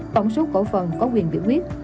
tổng số cổ phần có quyền biểu quyết